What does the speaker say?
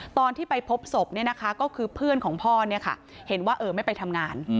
ตอนที่ไปพบศพเนี่ยนะคะก็คือเพื่อนของพ่อเนี่ยค่ะเห็นว่าเออไม่ไปทำงาน